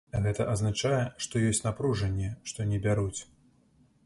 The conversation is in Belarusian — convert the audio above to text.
Гэта азначае, што ёсць напружанне, што не бяруць.